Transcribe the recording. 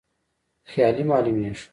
خیالي معلومیږي.